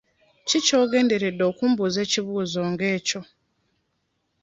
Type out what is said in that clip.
Ki ky'ogenderedde okumbuuza ekibuuzo nga ekyo?